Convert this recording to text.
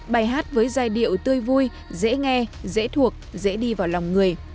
bài hát với giai điệu tươi vui dễ nghe dễ thuộc dễ đi vào lòng người